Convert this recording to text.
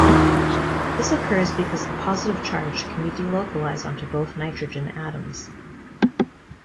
This occurs because the positive charge can be delocalized onto both nitrogen atoms.